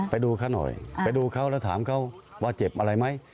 ไปดูเขาหน่อยไปดูเขาแล้วถามเขาว่าเจ็บอะไรไหม